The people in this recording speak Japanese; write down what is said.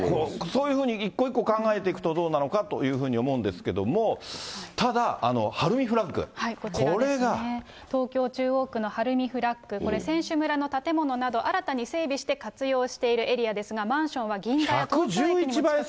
そういうふうに一個一個考えていくとどうなのかと思うんですけれども、ただ、東京・中央区の晴海フラッグ、これ、選手村の建物など、新たに整備して活用しているエリアですが、マンションは銀座や東京駅にも近く。